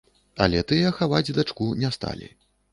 Але тыя хаваць дачку не сталі.